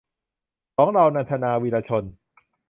สองเรา - นันทนา วีระชน